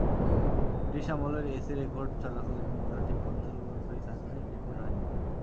British আমলের SA record চলাকালীন মৌজাটি পদ্মার গর্ভে থাকায় রেকর্ড হয়নি।